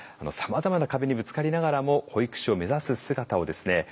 さまざまな壁にぶつかりながらも保育士を目指す姿をですね